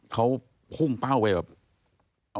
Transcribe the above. เขาพุ่งเป้าไปแบบ